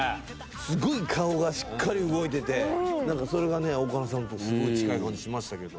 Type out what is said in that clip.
すごい顔がしっかり動いてて、なんかそれがね、岡野さんっぽくてすごい近い感じしましたけど。